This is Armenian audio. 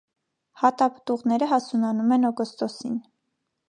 Հատապտուղները հասունանում են օգոստոսին։